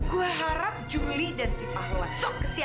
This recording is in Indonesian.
gue harap juli dan si pahlawan sok kesiangan itu gak bakal keselamatan